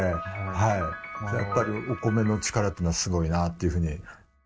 やっぱりお米の力っていうのはすごいなっていうふうに。